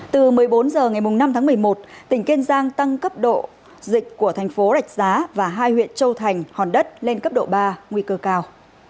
từ một mươi bốn h ngày năm tháng một mươi một tỉnh kiên giang tăng cấp độ dịch của thành phố rạch giá và hai huyện châu thành hòn đất lên cấp độ ba nguy cơ cao